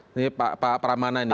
ini pak pramana ini